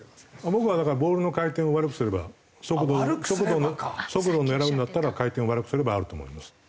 僕はだからボールの回転を悪くすれば速度を狙うんだったら回転を悪くすればあると思います。